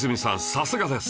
さすがです